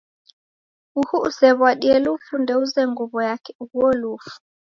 Uhu usew'adie lufu ndeuze nguw'o yake ughuo lufu.